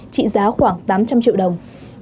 trị giá khoảng tám trăm linh triệu đồng